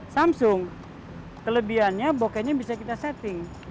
samsung kelebihannya boketnya bisa kita setting